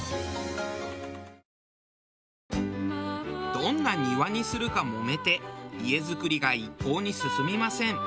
どんな庭にするか揉めて家造りが一向に進みません。